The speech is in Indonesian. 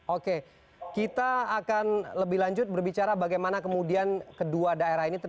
oke kita akan lebih lanjut berbicara bagaimana kemudian kedua daerah ini